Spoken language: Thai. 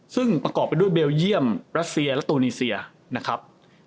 ซึ่งประกอบไปด้วยเบลเยี่ยมรัสเซียและตูนีเซียนะครับ